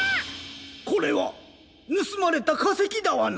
これはぬすまれたかせきダワナ！